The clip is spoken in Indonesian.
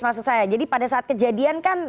maksud saya jadi pada saat kejadian kan